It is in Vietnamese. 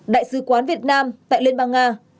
đại sứ quán việt nam tại liên bang nga